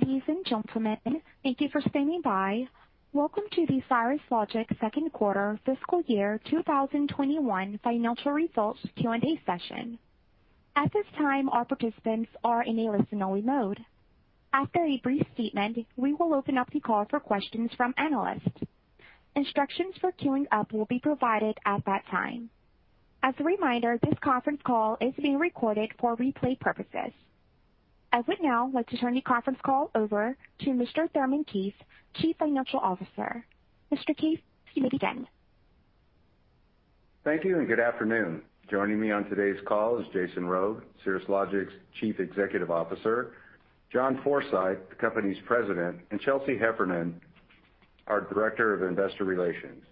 Ladies and gentlemen, thank you for standing by. Welcome to the Cirrus Logic second quarter, fiscal year 2021 financial results Q&A session. At this time, our participants are in a listen-only mode. After a brief statement, we will open up the call for questions from analysts. Instructions for queuing up will be provided at that time. As a reminder, this conference call is being recorded for replay purposes. I would now like to turn the conference call over to Mr. Thurman Case, Chief Financial Officer. Mr. Case, please begin again. Thank you, and good afternoon. Joining me on today's call is Jason Rhode, Cirrus Logic's Chief Executive Officer. John Forsyth, the company's president, and Chelsea Heffernan, our Director of Investor Relations.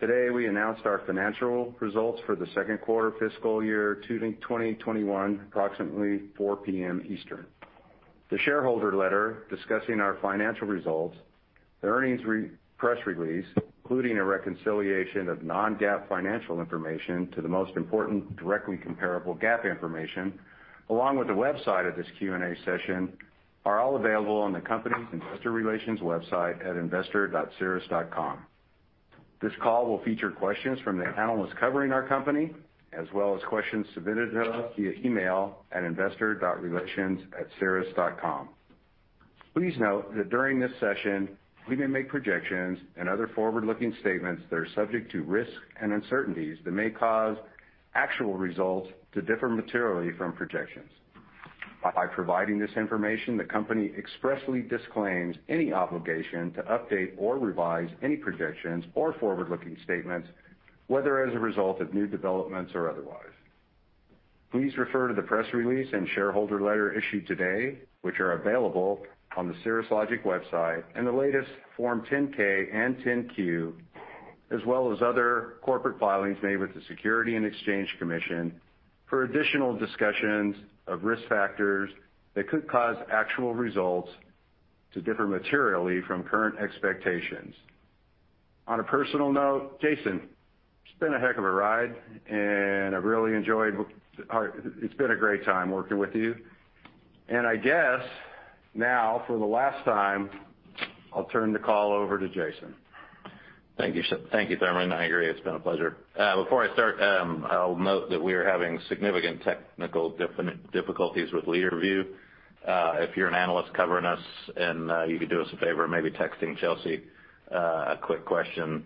Today, we announced our financial results for the second quarter fiscal year 2021, approximately 4:00 P.M. Eastern. The shareholder letter discussing our financial results, the earnings press release, including a reconciliation of non-GAAP financial information to the most important directly comparable GAAP information, along with the website of this Q&A session, are all available on the company's Investor Relations website at investor.cirrus.com. This call will feature questions from the analysts covering our company, as well as questions submitted to us via email at investor.relations@cirrus.com. Please note that during this session, we may make projections and other forward-looking statements that are subject to risk and uncertainties that may cause actual results to differ materially from projections. By providing this information, the company expressly disclaims any obligation to update or revise any projections or forward-looking statements, whether as a result of new developments or otherwise. Please refer to the press release and shareholder letter issued today, which are available on the Cirrus Logic website, and the latest Form 10-K and 10-Q, as well as other corporate filings made with the Securities and Exchange Commission for additional discussions of risk factors that could cause actual results to differ materially from current expectations. On a personal note, Jason, it's been a heck of a ride, and I've really enjoyed. It's been a great time working with you. I guess now, for the last time, I'll turn the call over to Jason. Thank you, Thurman. I agree. It's been a pleasure. Before I start, I'll note that we are having significant technical difficulties with LeaderView. If you're an analyst covering us, and you could do us a favor of maybe texting Chelsea a quick question.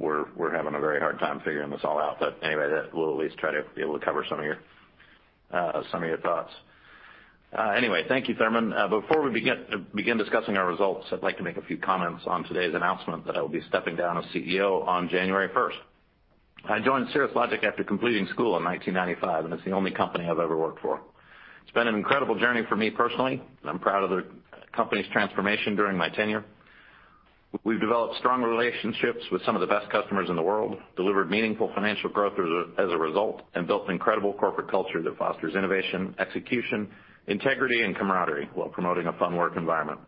We're having a very hard time figuring this all out, but anyway, we'll at least try to be able to cover some of your thoughts. Anyway, thank you, Thurman. Before we begin discussing our results, I'd like to make a few comments on today's announcement that I will be stepping down as CEO on January 1st. I joined Cirrus Logic after completing school in 1995, and it's the only company I've ever worked for. It's been an incredible journey for me personally, and I'm proud of the company's transformation during my tenure. We've developed strong relationships with some of the best customers in the world, delivered meaningful financial growth as a result, and built an incredible corporate culture that fosters innovation, execution, integrity, and camaraderie while promoting a fun work environment.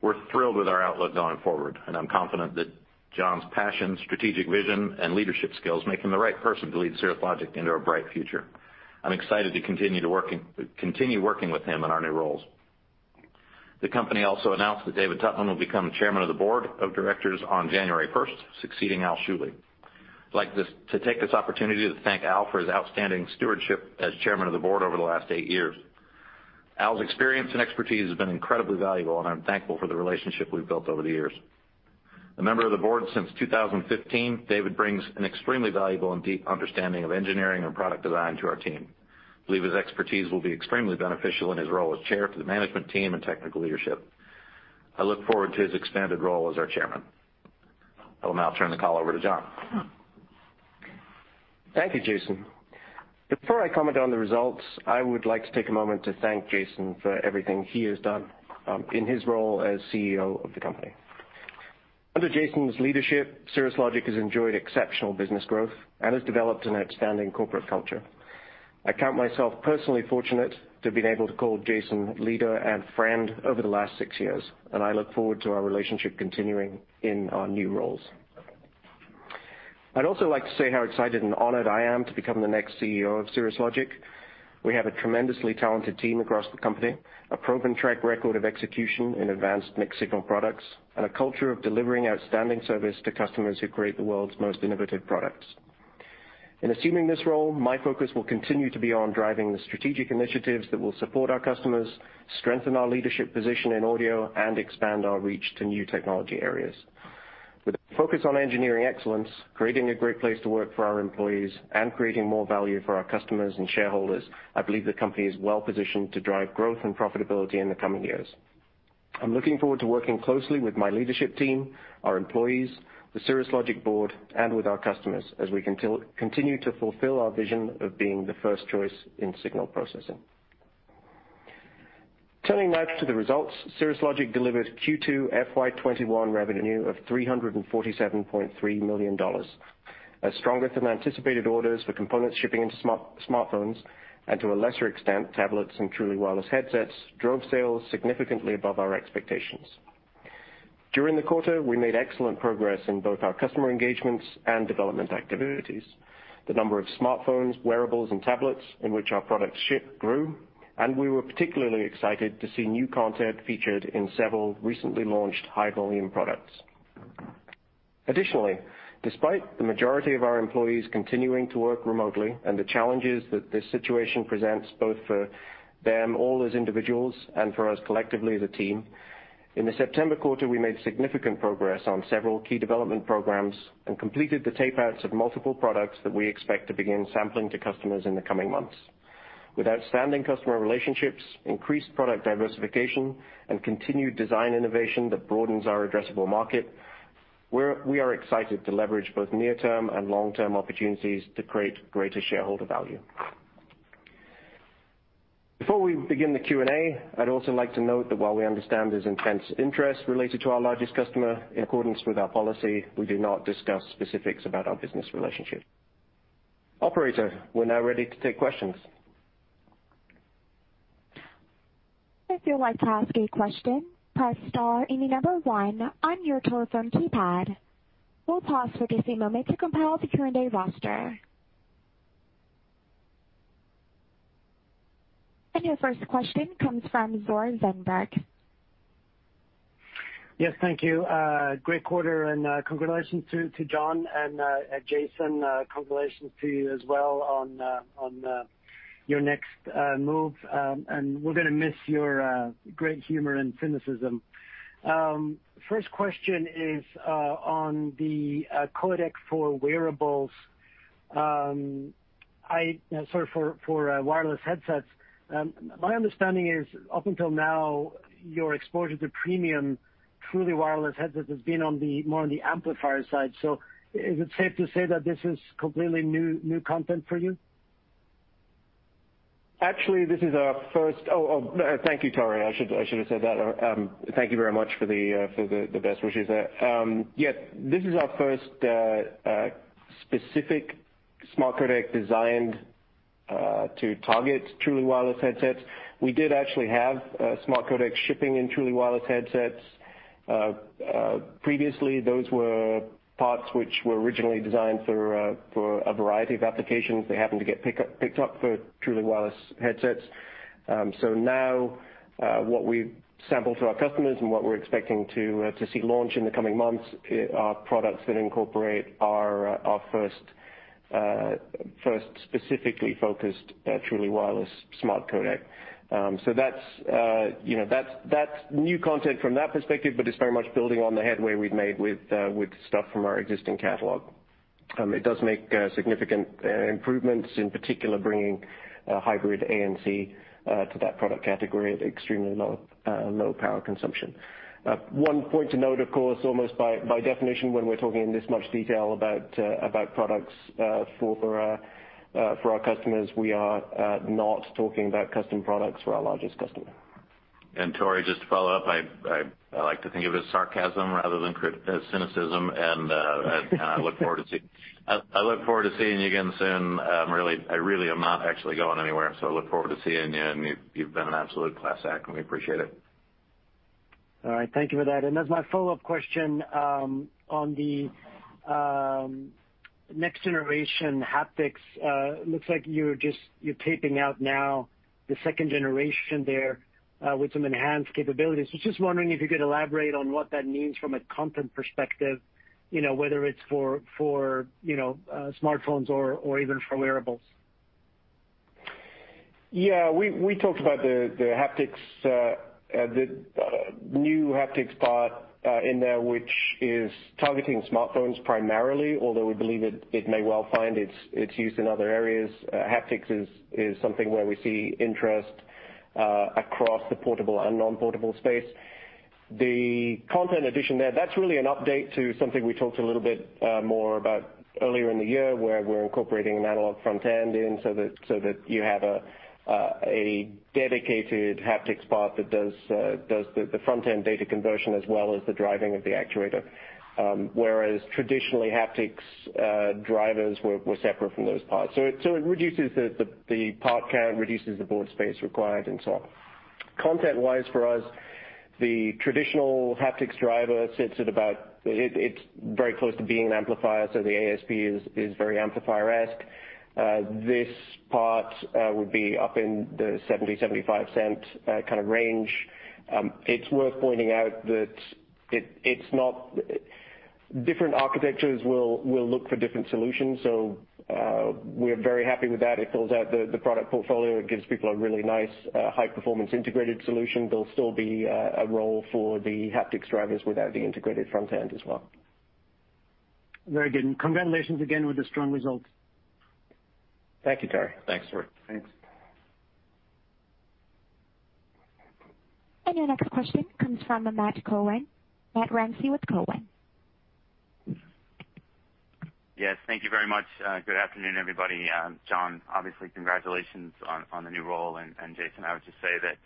We're thrilled with our outlook going forward, and I'm confident that John's passion, strategic vision, and leadership skills make him the right person to lead Cirrus Logic into a bright future. I'm excited to continue working with him in our new roles. The company also announced that David Tupman will become Chairman of the Board of Directors on January 1st, succeeding Al Schuele. I'd like to take this opportunity to thank Al for his outstanding stewardship as Chairman of the Board over the last eight years. Al's experience and expertise have been incredibly valuable, and I'm thankful for the relationship we've built over the years. A member of the board since 2015, David brings an extremely valuable and deep understanding of engineering and product design to our team. I believe his expertise will be extremely beneficial in his role as Chair to the management team and technical leadership. I look forward to his expanded role as our Chairman. I will now turn the call over to John. Thank you, Jason. Before I comment on the results, I would like to take a moment to thank Jason for everything he has done in his role as CEO of the company. Under Jason's leadership, Cirrus Logic has enjoyed exceptional business growth and has developed an outstanding corporate culture. I count myself personally fortunate to have been able to call Jason leader and friend over the last six years, and I look forward to our relationship continuing in our new roles. I'd also like to say how excited and honored I am to become the next CEO of Cirrus Logic. We have a tremendously talented team across the company, a proven track record of execution in advanced mixed signal products, and a culture of delivering outstanding service to customers who create the world's most innovative products. In assuming this role, my focus will continue to be on driving the strategic initiatives that will support our customers, strengthen our leadership position in audio, and expand our reach to new technology areas. With a focus on engineering excellence, creating a great place to work for our employees, and creating more value for our customers and shareholders, I believe the company is well positioned to drive growth and profitability in the coming years. I'm looking forward to working closely with my leadership team, our employees, the Cirrus Logic board, and with our customers as we continue to fulfill our vision of being the first choice in signal processing. Turning now to the results, Cirrus Logic delivered Q2 FY2021 revenue of $347.3 million. A stronger-than-anticipated orders for components shipping into smartphones and, to a lesser extent, tablets and truly wireless headsets, drove sales significantly above our expectations. During the quarter, we made excellent progress in both our customer engagements and development activities. The number of smartphones, wearables, and tablets in which our products ship grew, and we were particularly excited to see new content featured in several recently launched high-volume products. Additionally, despite the majority of our employees continuing to work remotely and the challenges that this situation presents both for them all as individuals and for us collectively as a team, in the September quarter, we made significant progress on several key development programs and completed the tape-outs of multiple products that we expect to begin sampling to customers in the coming months. With outstanding customer relationships, increased product diversification, and continued design innovation that broadens our addressable market, we are excited to leverage both near-term and long-term opportunities to create greater shareholder value. Before we begin the Q&A, I'd also like to note that while we understand there's intense interest related to our largest customer, in accordance with our policy, we do not discuss specifics about our business relationship. Operator, we're now ready to take questions. If you'd like to ask a question, press star and the number one on your telephone keypad. We'll pause for just a moment to compile the Q&A roster and your first question comes from Tore Svanberg. Yes, thank you. Great quarter, and congratulations to John and Jason. Congratulations to you as well on your next move, and we're going to miss your great humor and cynicism. First question is on the codec for wearables, sorry, for wireless headsets. My understanding is, up until now, your exposure to premium truly wireless headsets has been more on the amplifier side. So is it safe to say that this is completely new content for you? Actually, this is our first. Oh, thank you, Tore. I should have said that. Thank you very much for the best wishes there. Yes, this is our first specific smart codec designed to target truly wireless headsets. We did actually have smart codecs shipping in truly wireless headsets. Previously, those were parts which were originally designed for a variety of applications. They happened to get picked up for truly wireless headsets. So now, what we sample to our customers and what we're expecting to see launch in the coming months are products that incorporate our first specifically focused truly wireless smart codec. So that's new content from that perspective, but it's very much building on the headway we've made with stuff from our existing catalog. It does make significant improvements, in particular, bringing hybrid ANC to that product category at extremely low power consumption. One point to note, of course, almost by definition, when we're talking in this much detail about products for our customers, we are not talking about custom products for our largest customer. Tore, just to follow up, I like to think of it as sarcasm rather than cynicism, and I look forward to seeing, I look forward to seeing you again soon. I really am not actually going anywhere, so I look forward to seeing you, and you've been an absolute class act, and we appreciate it. All right. Thank you for that. And as my follow-up question on the next generation haptics, it looks like you're tape-out now the second generation there with some enhanced capabilities. I was just wondering if you could elaborate on what that means from a content perspective, whether it's for smartphones or even for wearables? Yeah. We talked about the haptics, the new haptics part in there, which is targeting smartphones primarily, although we believe it may well find its use in other areas. Haptics is something where we see interest across the portable and non-portable space. The content addition there, that's really an update to something we talked a little bit more about earlier in the year, where we're incorporating an analog front end in so that you have a dedicated haptics part that does the front-end data conversion as well as the driving of the actuator, whereas traditionally, haptics drivers were separate from those parts. So it reduces the part count, reduces the board space required, and so on. Content-wise, for us, the traditional haptics driver sits at about, it's very close to being an amplifier, so the ASP is very amplifier-esque. This part would be up in the $0.70-$0.75 kind of range. It's worth pointing out that it's not. Different architectures will look for different solutions, so we're very happy with that. It fills out the product portfolio. It gives people a really nice high-performance integrated solution. There'll still be a role for the haptics drivers without the integrated front end as well. Very good. Congratulations again with the strong results. Thank you, Tore. Thanks, Tore. Thanks. Your next question comes from Matt Ramsay. Matt Ramsay with Cowen. Yes. Thank you very much. Good afternoon, everybody. John, obviously, congratulations on the new role. And Jason, I would just say that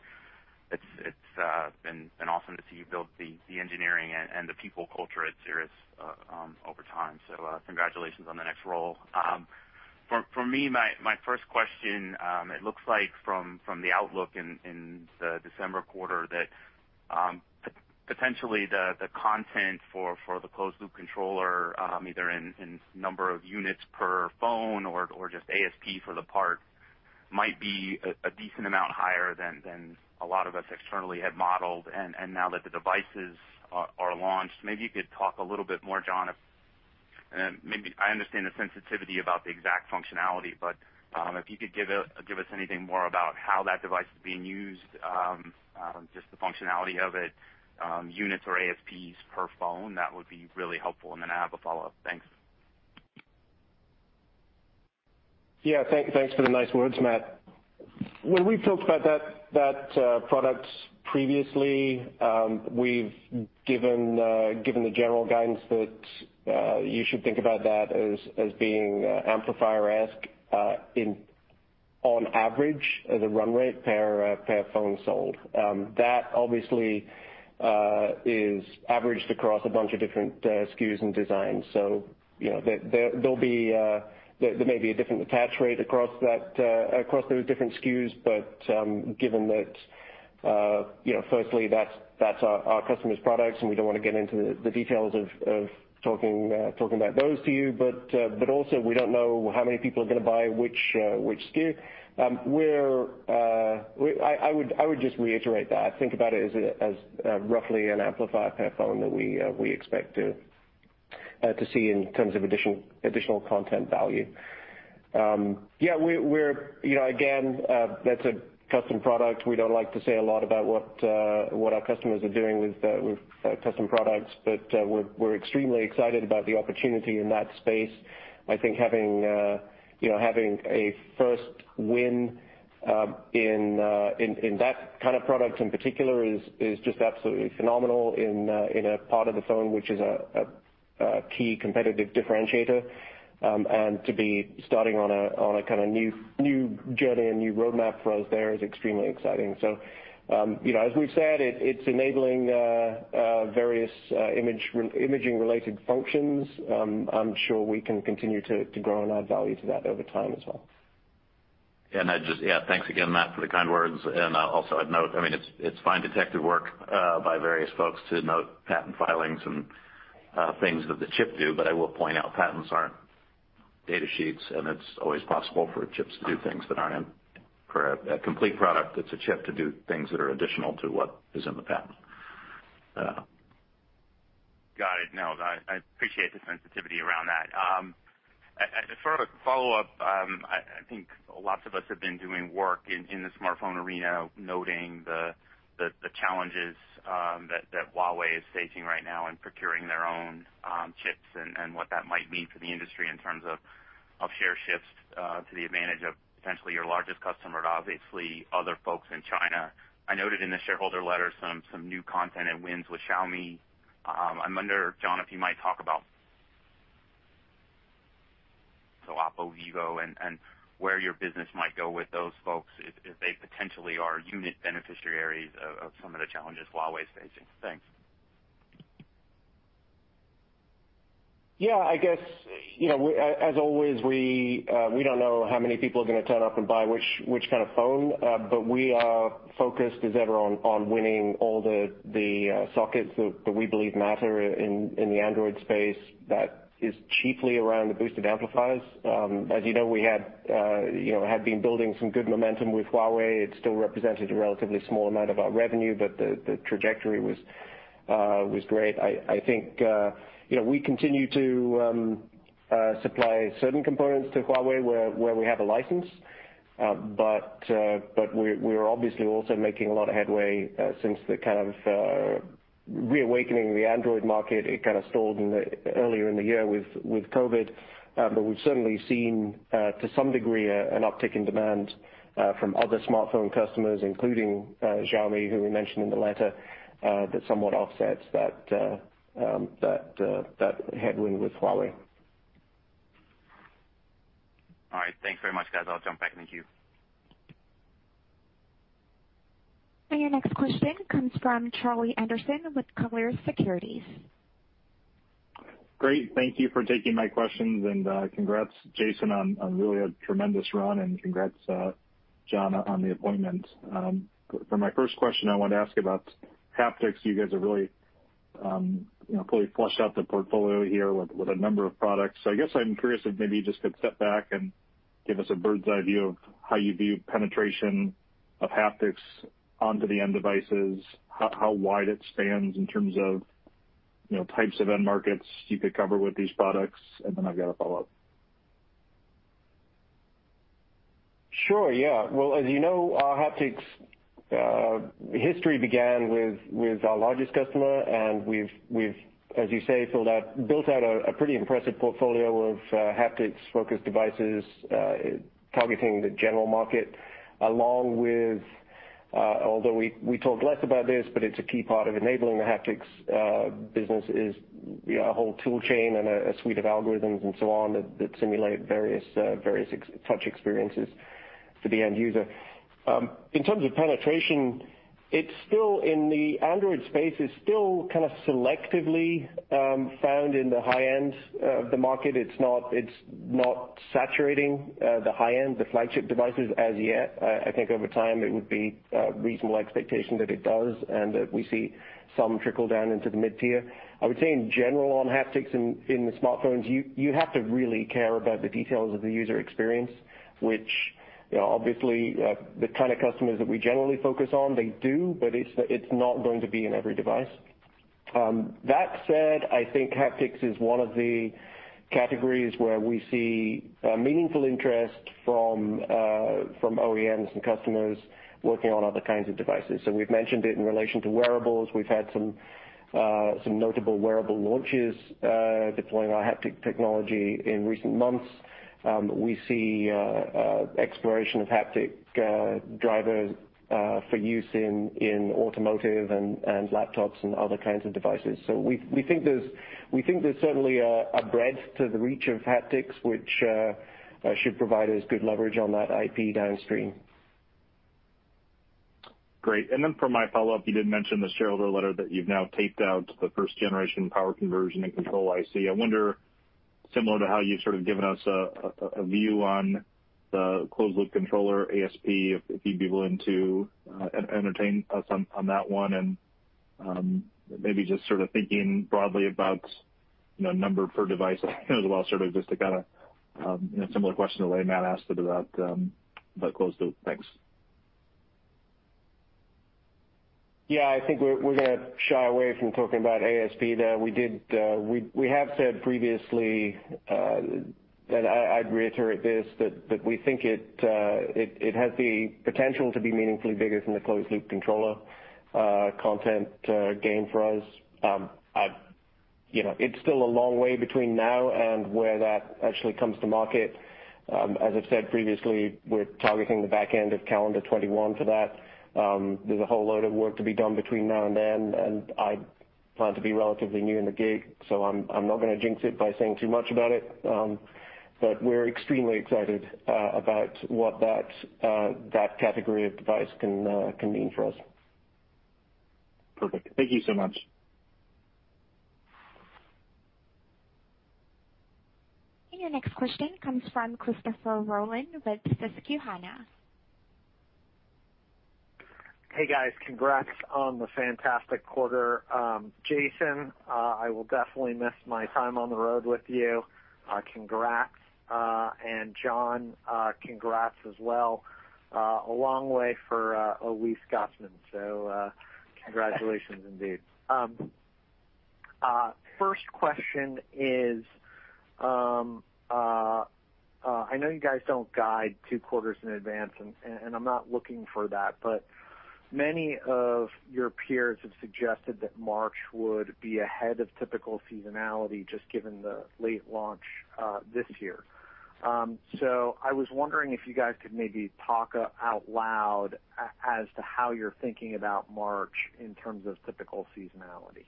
it's been awesome to see you build the engineering and the people culture at Cirrus over time. So congratulations on the next role. For me, my first question, it looks like from the outlook in the December quarter that potentially the content for the closed-loop controller, either in number of units per phone or just ASP for the part, might be a decent amount higher than a lot of us externally had modeled. And now that the devices are launched, maybe you could talk a little bit more, John. And I understand the sensitivity about the exact functionality, but if you could give us anything more about how that device is being used, just the functionality of it, units or ASPs per phone, that would be really helpful. And then I have a follow-up. Thanks. Yeah. Thanks for the nice words, Matt. When we've talked about that product previously, we've given the general guidance that you should think about that as being amplifier-esque on average as a run rate per phone sold. That, obviously, is averaged across a bunch of different SKUs and designs. So there may be a different attach rate across those different SKUs, but given that, firstly, that's our customer's products, and we don't want to get into the details of talking about those to you, but also we don't know how many people are going to buy which SKU. I would just reiterate that. Think about it as roughly an amplifier per phone that we expect to see in terms of additional content value. Yeah. Again, that's a custom product. We don't like to say a lot about what our customers are doing with custom products, but we're extremely excited about the opportunity in that space. I think having a first win in that kind of product in particular is just absolutely phenomenal in a part of the phone, which is a key competitive differentiator, and to be starting on a kind of new journey and new roadmap for us there is extremely exciting, so as we've said, it's enabling various imaging-related functions. I'm sure we can continue to grow and add value to that over time as well. Yeah. Thanks again, Matt, for the kind words, and also, I'd note, I mean, it's fine detective work by various folks to note patent filings and things that the chip do, but I will point out patents aren't data sheets, and it's always possible for chips to do things that aren't in for a complete product. It's a chip to do things that are additional to what is in the patent. Got it. No. I appreciate the sensitivity around that. As far as follow-up, I think lots of us have been doing work in the smartphone arena, noting the challenges that Huawei is facing right now in procuring their own chips and what that might mean for the industry in terms of share shifts to the advantage of potentially your largest customer, obviously, other folks in China. I noted in the shareholder letter some new content and wins with Xiaomi. I wonder, John, if you might talk about Oppo, Vivo, and where your business might go with those folks if they potentially are unit beneficiaries of some of the challenges Huawei is facing. Thanks. Yeah. I guess, as always, we don't know how many people are going to turn up and buy which kind of phone, but we are focused, etc., on winning all the sockets that we believe matter in the Android space that is chiefly around the boosted amplifiers. As you know, we had been building some good momentum with Huawei. It still represented a relatively small amount of our revenue, but the trajectory was great. I think we continue to supply certain components to Huawei where we have a license, but we're obviously also making a lot of headway since the kind of reawakening of the Android market. It kind of stalled earlier in the year with COVID, but we've certainly seen, to some degree, an uptick in demand from other smartphone customers, including Xiaomi, who we mentioned in the letter, that somewhat offsets that headwind with Huawei. All right. Thanks very much, guys. I'll jump back. Thank you. And your next question comes from Charlie Anderson with Colliers Securities. Great. Thank you for taking my questions, and congrats, Jason, on really a tremendous run, and congrats, John, on the appointment. For my first question, I wanted to ask about haptics. You guys have really fully fleshed out the portfolio here with a number of products. So I guess I'm curious if maybe you just could step back and give us a bird's-eye view of how you view penetration of haptics onto the end devices, how wide it spans in terms of types of end markets you could cover with these products. And then I've got a follow-up. Sure. Yeah. Well, as you know, our haptics history began with our largest customer, and we've, as you say, built out a pretty impressive portfolio of haptics-focused devices targeting the general market, along with, although we talk less about this, but it's a key part of enabling the haptics business, is a whole tool chain and a suite of algorithms and so on that simulate various touch experiences for the end user. In terms of penetration, it's still in the Android space, is still kind of selectively found in the high-end of the market. It's not saturating the high-end, the flagship devices as yet. I think over time, it would be a reasonable expectation that it does and that we see some trickle down into the mid-tier. I would say, in general, on haptics in the smartphones, you have to really care about the details of the user experience, which, obviously, the kind of customers that we generally focus on, they do, but it's not going to be in every device. That said, I think haptics is one of the categories where we see meaningful interest from OEMs and customers working on other kinds of devices. So we've mentioned it in relation to wearables. We've had some notable wearable launches deploying our haptic technology in recent months. We see exploration of haptic drivers for use in automotive and laptops and other kinds of devices. So we think there's certainly a breadth to the reach of haptics, which should provide us good leverage on that IP downstream. Great. And then for my follow-up, you did mention the Cirrus Logic letter that you've now taped out the first-generation power conversion and control IC. I wonder, similar to how you've sort of given us a view on the closed-loop controller ASP, if you'd be willing to entertain us on that one and maybe just sort of thinking broadly about number per device as well sort of just to kind of similar question to the way Matt asked it about closed-loop. Thanks. Yeah. I think we're going to shy away from talking about ASP there. We have said previously, and I'd reiterate this, that we think it has the potential to be meaningfully bigger than the closed-loop controller content gain for us. It's still a long way between now and where that actually comes to market. As I've said previously, we're targeting the back end of calendar 2021 for that. There's a whole load of work to be done between now and then, and I plan to be relatively new in the gig, so I'm not going to jinx it by saying too much about it. But we're extremely excited about what that category of device can mean for us. Perfect. Thank you so much. And your next question comes from Christopher Rolland with Susquehanna. Hey, guys. Congrats on the fantastic quarter. Jason, I will definitely miss my time on the road with you. Congrats, and John, congrats as well. A long way for hard work, so congratulations indeed. First question is, I know you guys don't guide two quarters in advance, and I'm not looking for that, but many of your peers have suggested that March would be ahead of typical seasonality just given the late launch this year, so I was wondering if you guys could maybe talk out loud as to how you're thinking about March in terms of typical seasonality.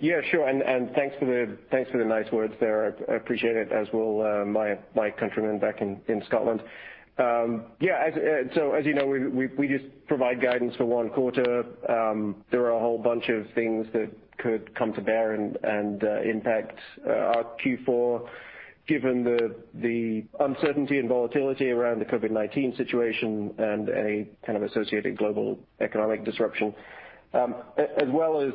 Yeah. Sure. And thanks for the nice words there. I appreciate it, as will my countrymen back in Scotland. Yeah. So as you know, we just provide guidance for one quarter. There are a whole bunch of things that could come to bear and impact our Q4 given the uncertainty and volatility around the COVID-19 situation and any kind of associated global economic disruption, as well as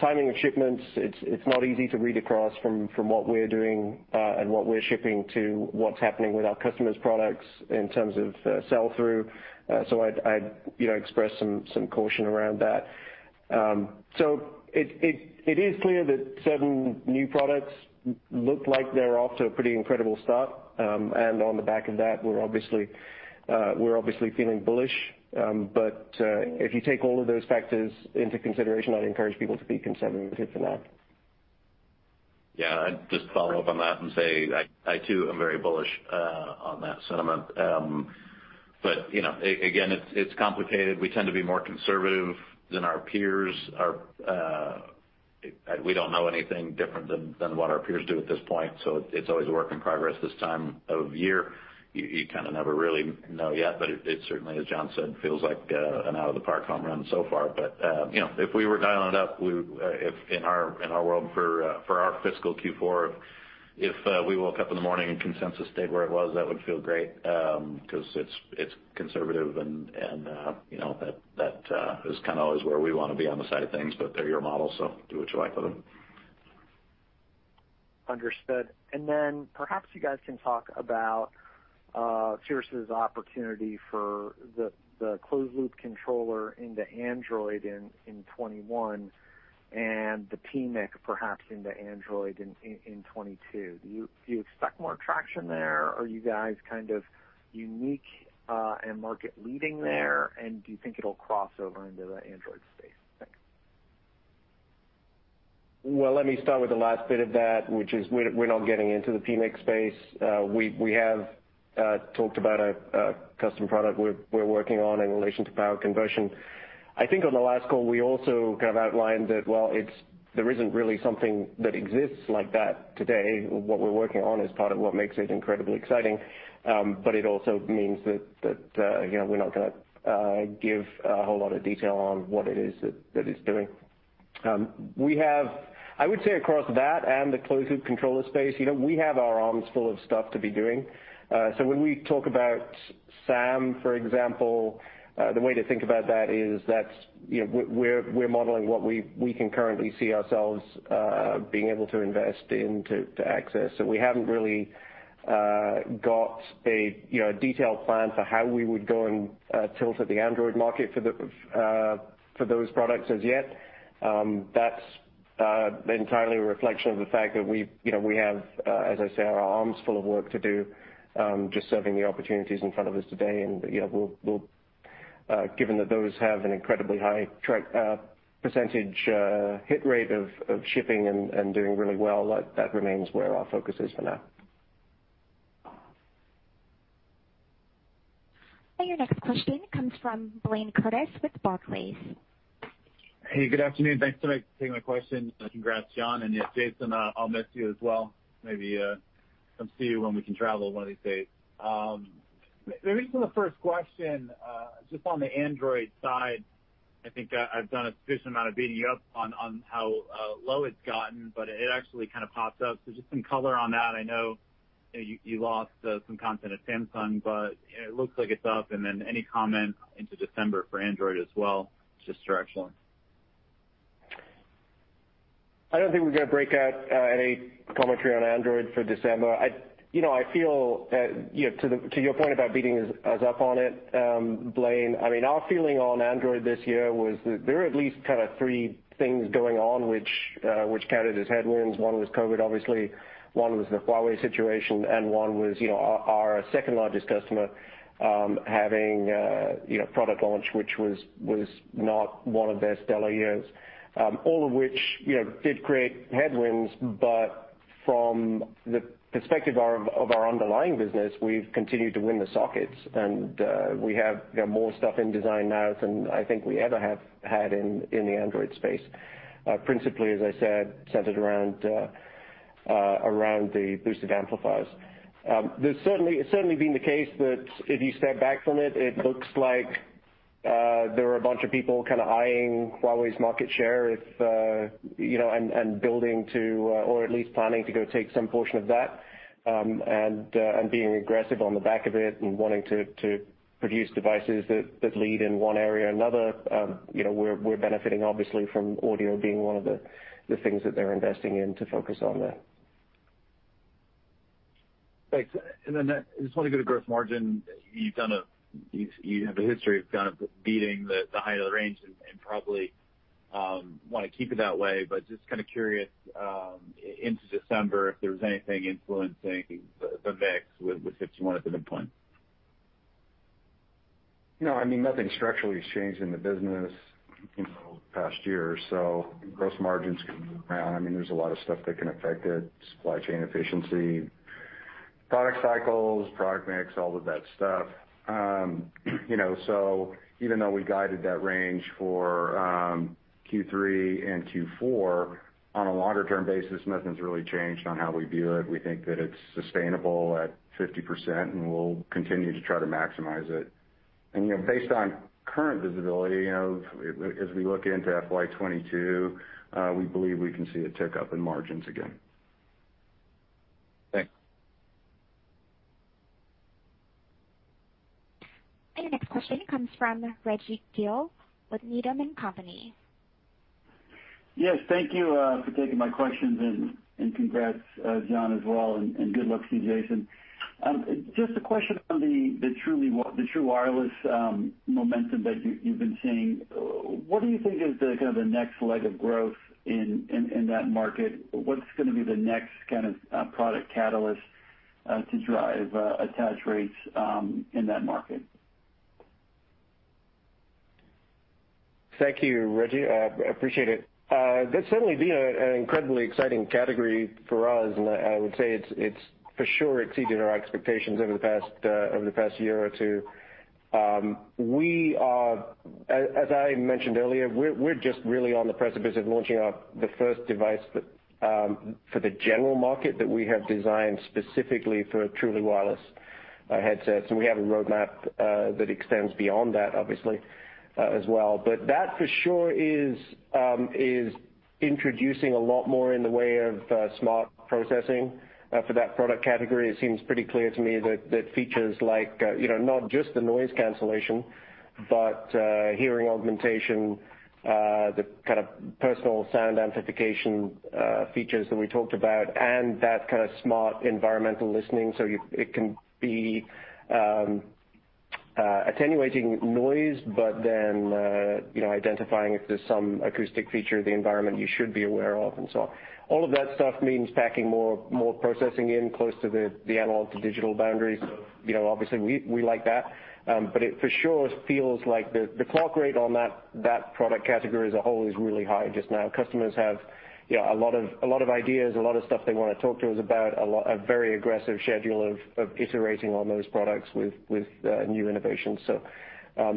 timing of shipments. It's not easy to read across from what we're doing and what we're shipping to what's happening with our customers' products in terms of sell-through. So I'd express some caution around that. So it is clear that certain new products look like they're off to a pretty incredible start. And on the back of that, we're obviously feeling bullish. But if you take all of those factors into consideration, I'd encourage people to be conservative in that. Yeah. I'd just follow up on that and say, I too am very bullish on that sentiment. But again, it's complicated. We tend to be more conservative than our peers. We don't know anything different than what our peers do at this point. So it's always a work in progress this time of year. You kind of never really know yet, but it certainly, as John said, feels like an out-of-the-park home run so far. But if we were dialing it up in our world for our fiscal Q4, if we woke up in the morning and consensus stayed where it was, that would feel great because it's conservative, and that is kind of always where we want to be on the side of things, but they're your model, so do what you like with them. Understood, and then perhaps you guys can talk about Cirrus's opportunity for the closed-loop controller into Android in 2021 and the PMIC perhaps into Android in 2022. Do you expect more traction there? Are you guys kind of unique and market-leading there, and do you think it'll cross over into the Android space? Let me start with the last bit of that, which is we're not getting into the PMIC space. We have talked about a custom product we're working on in relation to power conversion. I think on the last call, we also kind of outlined that, well, there isn't really something that exists like that today. What we're working on is part of what makes it incredibly exciting, but it also means that we're not going to give a whole lot of detail on what it is that it's doing. I would say across that and the closed-loop controller space, we have our arms full of stuff to be doing. So when we talk about SAM, for example, the way to think about that is that we're modeling what we can currently see ourselves being able to invest in to access. So we haven't really got a detailed plan for how we would go and tilt at the Android market for those products as yet. That's entirely a reflection of the fact that we have, as I say, our arms full of work to do, just serving the opportunities in front of us today. And given that those have an incredibly high percentage hit rate of shipping and doing really well, that remains where our focus is for now. Your next question comes from Blayne Curtis with Barclays. Hey, good afternoon. Thanks for taking my question. Congrats, John, and yes, Jason, I'll miss you as well. Maybe come see you when we can travel one of these days. Maybe for the first question, just on the Android side, I think I've done a sufficient amount of beating you up on how low it's gotten, but it actually kind of pops up, so just some color on that. I know you lost some content at Samsung, but it looks like it's up, and then any comment into December for Android as well? Just your lens. I don't think we're going to break out any commentary on Android for December. I feel, to your point about beating us up on it, Blayne, I mean, our feeling on Android this year was that there were at least kind of three things going on, which counted as headwinds. One was COVID, obviously. One was the Huawei situation, and one was our second-largest customer having product launch, which was not one of their stellar years, all of which did create headwinds. But from the perspective of our underlying business, we've continued to win the sockets, and we have more stuff in design now than I think we ever have had in the Android space, principally, as I said, centered around the boosted amplifiers. There's certainly been the case that if you step back from it, it looks like there are a bunch of people kind of eyeing Huawei's market share and building to, or at least planning to go take some portion of that and being aggressive on the back of it and wanting to produce devices that lead in one area or another. We're benefiting, obviously, from audio being one of the things that they're investing in to focus on there. Thanks. And then I just want to go to gross margin. You have a history of kind of beating the high end of the range and probably want to keep it that way, but just kind of curious into December if there was anything influencing the mix with 51 at the midpoint. I mean, nothing structurally has changed in the business in the past year, so gross margins can move around. I mean, there's a lot of stuff that can affect it: supply chain efficiency, product cycles, product mix, all of that stuff. So even though we guided that range for Q3 and Q4, on a longer-term basis, nothing's really changed on how we view it. We think that it's sustainable at 50%, and we'll continue to try to maximize it. And based on current visibility, as we look into FY2022, we believe we can see a tick up in margins again. Thanks. Your next question comes from Rajvindra Gill with Needham & Company. Yes. Thank you for taking my questions, and congrats, John, as well. And good luck to you, Jason. Just a question on the true wireless momentum that you've been seeing. What do you think is kind of the next leg of growth in that market? What's going to be the next kind of product catalyst to drive attach rates in that market? Thank you, Raj. I appreciate it. That's certainly been an incredibly exciting category for us, and I would say it's for sure exceeded our expectations over the past year or two. As I mentioned earlier, we're just really on the precipice of launching the first device for the general market that we have designed specifically for truly wireless headsets. And we have a roadmap that extends beyond that, obviously, as well. But that for sure is introducing a lot more in the way of smart processing for that product category. It seems pretty clear to me that features like not just the noise cancellation, but hearing augmentation, the kind of personal sound amplification features that we talked about, and that kind of smart environmental listening. So it can be attenuating noise, but then identifying if there's some acoustic feature of the environment you should be aware of and so on. All of that stuff means packing more processing in close to the analog-to-digital boundaries. Obviously, we like that. But it for sure feels like the clock rate on that product category as a whole is really high just now. Customers have a lot of ideas, a lot of stuff they want to talk to us about, a very aggressive schedule of iterating on those products with new innovations. So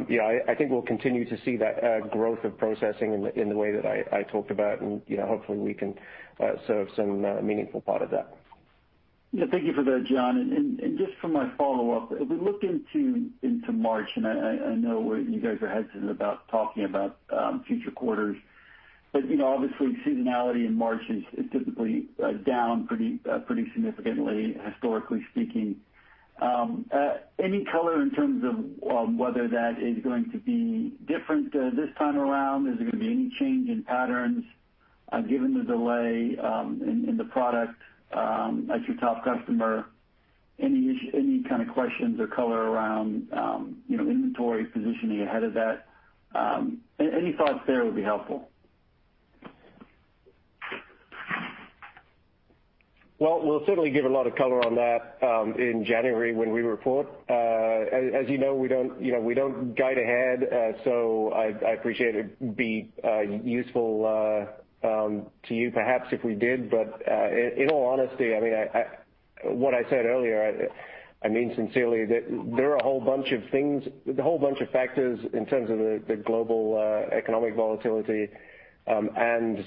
yeah, I think we'll continue to see that growth of processing in the way that I talked about, and hopefully, we can serve some meaningful part of that. Yeah. Thank you for that, John. And just for my follow-up, if we look into March, and I know you guys are hesitant about talking about future quarters, but obviously, seasonality in March is typically down pretty significantly, historically speaking. Any color in terms of whether that is going to be different this time around? Is there going to be any change in patterns given the delay in the product at your top customer? Any kind of questions or color around inventory positioning ahead of that? Any thoughts there would be helpful. Well, we'll certainly give a lot of color on that in January when we report. As you know, we don't guide ahead, so I appreciate it would be useful to you perhaps if we did. But in all honesty, I mean, what I said earlier, I mean sincerely, there are a whole bunch of things, a whole bunch of factors in terms of the global economic volatility and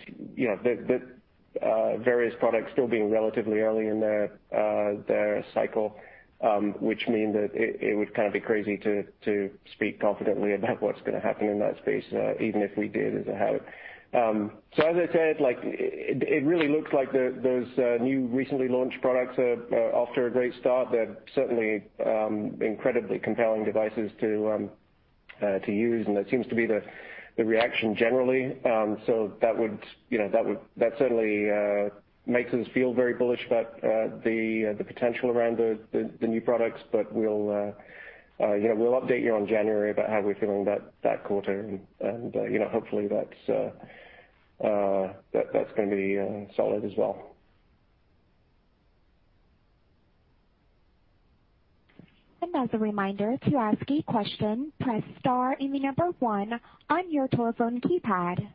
the various products still being relatively early in their cycle, which means that it would kind of be crazy to speak confidently about what's going to happen in that space, even if we did as a habit. So as I said, it really looks like those new recently launched products are off to a great start. They're certainly incredibly compelling devices to use, and that seems to be the reaction generally. So that certainly makes us feel very bullish about the potential around the new products. But we'll update you on January about how we're feeling that quarter, and hopefully, that's going to be solid as well. And as a reminder, to ask a question, press star in the number one on your telephone keypad.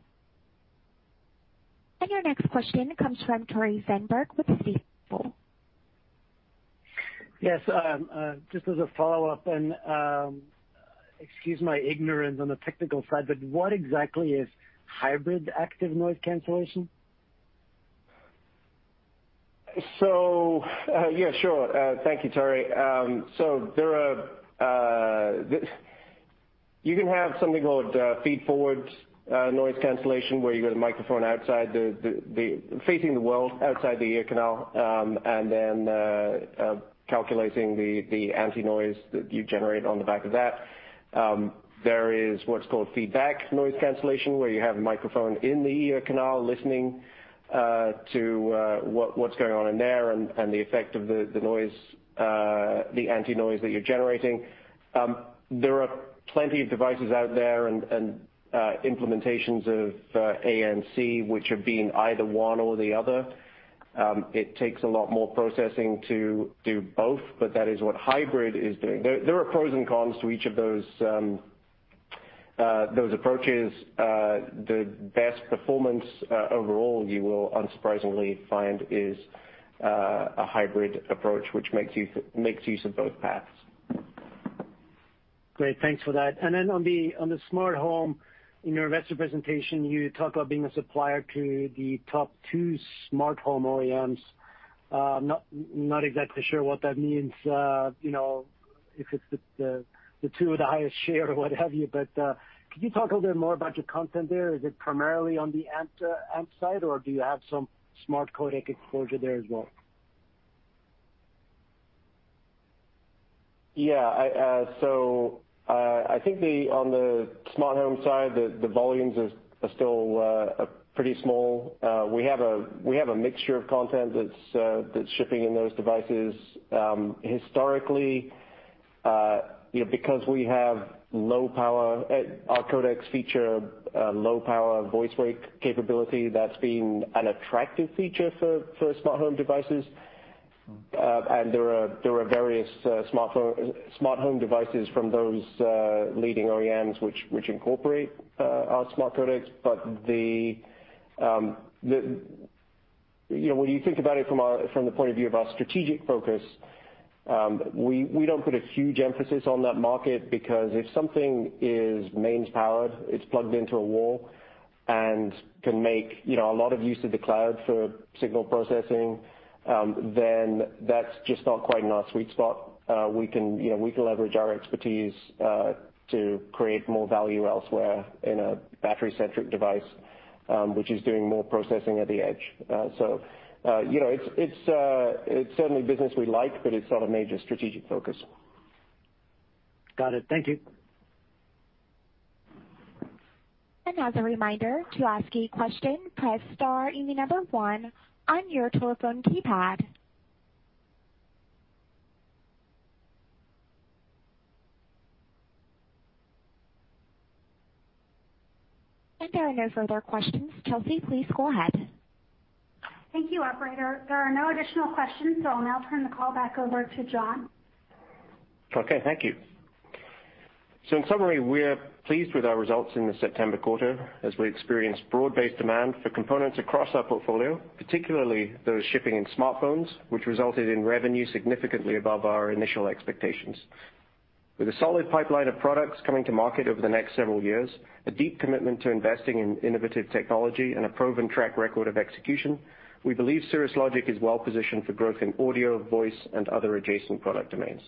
And your next question comes from Tore Svanberg with Stifel. Yes. Just as a follow-up, and excuse my ignorance on the technical side, but what exactly is hybrid active noise cancellation? Yeah, sure. Thank you, Tore. You can have something called feed-forward noise cancellation, where you've got a microphone facing the world outside the ear canal and then calculating the anti-noise that you generate on the back of that. There is what's called feedback noise cancellation, where you have a microphone in the ear canal listening to what's going on in there and the effect of the anti-noise that you're generating. There are plenty of devices out there and implementations of ANC, which have been either one or the other. It takes a lot more processing to do both, but that is what hybrid is doing. There are pros and cons to each of those approaches. The best performance overall, you will unsurprisingly find, is a hybrid approach, which makes use of both paths. Great. Thanks for that. And then on the smart home, in your investor presentation, you talk about being a supplier to the top two smart home OEMs. Not exactly sure what that means, if it's the two with the highest share or what have you, but could you talk a little bit more about your content there? Is it primarily on the AMP side, or do you have some smart codec exposure there as well? Yeah. So I think on the smart home side, the volumes are still pretty small. We have a mixture of content that's shipping in those devices. Historically, because we have low power, our codecs feature low power voice wake capability. That's been an attractive feature for smart home devices. And there are various smart home devices from those leading OEMs which incorporate our smart codecs. But when you think about it from the point of view of our strategic focus, we don't put a huge emphasis on that market because if something is mains-powered, it's plugged into a wall, and can make a lot of use of the cloud for signal processing, then that's just not quite in our sweet spot. We can leverage our expertise to create more value elsewhere in a battery-centric device, which is doing more processing at the edge. So it's certainly business we like, but it's not a major strategic focus. Got it. Thank you. And as a reminder, to ask a question, press star in the number one on your telephone keypad. And there are no further questions. Chelsea, please go ahead. Thank you, Operator. There are no additional questions, so I'll now turn the call back over to John. Okay. Thank you. So in summary, we're pleased with our results in the September quarter as we experienced broad-based demand for components across our portfolio, particularly those shipping in smartphones, which resulted in revenue significantly above our initial expectations. With a solid pipeline of products coming to market over the next several years, a deep commitment to investing in innovative technology, and a proven track record of execution, we believe Cirrus Logic is well-positioned for growth in audio, voice, and other adjacent product domains.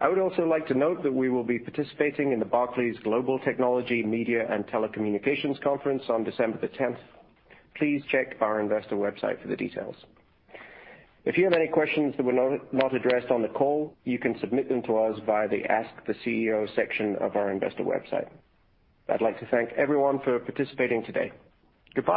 I would also like to note that we will be participating in the Barclays Global Technology Media and Telecommunications Conference on December the 10th. Please check our investor website for the details. If you have any questions that were not addressed on the call, you can submit them to us via the Ask the CEO section of our investor website. I'd like to thank everyone for participating today. Goodbye.